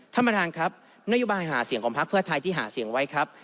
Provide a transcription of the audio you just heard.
ท่านประธานครับนโยบายหาเสียงของพักเพื่อไทยที่หาเสียงไว้ครับ